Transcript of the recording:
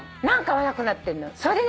何か速くなってんのよ。